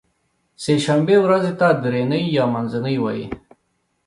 سې شنبې ورځې ته درینۍ یا منځنۍ وایی